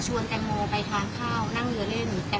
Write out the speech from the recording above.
แตงโมไปทานข้าวนั่งเรือเล่น